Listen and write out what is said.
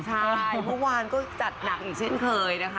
ใช่คุณผู้ชมค่ะพรุ่งวานก็จัดหนักอีกเช่นเคยนะคะ